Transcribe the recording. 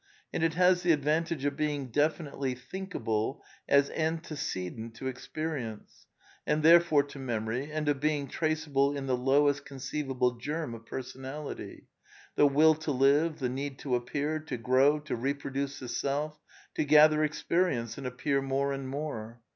And it has the advantage of being definitely thinkable as antecedent to experience, and therefore to memory, and of being traceable in the lowest conceivable germ of Personality — the will to live, the need to appear, to grow, to reproduce the self, to gather experience and appear more and more.